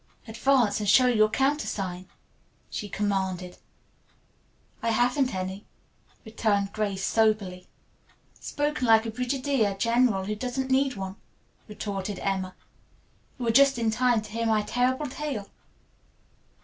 "Advance and show your countersign," she commanded. "I haven't any," returned Grace soberly. "Spoken like a brigadier general who doesn't need one," retorted Emma. "You are just in time to hear my terrible tale.